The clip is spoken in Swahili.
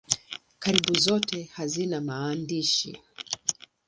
Karibu zote hazina maandishi.